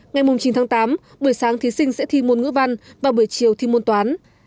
ngày chín tháng tám buổi sáng thí sinh sẽ thi môn ngữ văn và buổi chiều thi môn toán